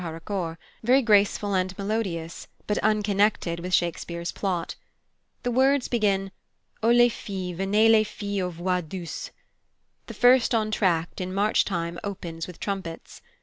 Haraucourt's; very graceful and melodious, but unconnected with Shakespeare's plot. The words begin, "Oh les filles, venez les filles aux voix douces." The first entr'acte, in march time, opens with trumpets.